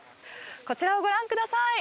こちらをご覧ください！